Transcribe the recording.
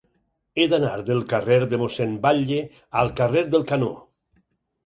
He d'anar del carrer de Mossèn Batlle al carrer del Canó.